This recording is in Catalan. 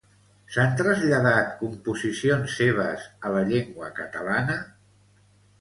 S'han traslladat composicions seves a la llengua catalana?